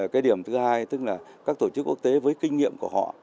cái điểm thứ hai tức là các tổ chức quốc tế với kinh nghiệm của họ